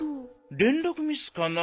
連絡ミスかな？